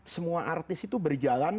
semua artis itu berjalan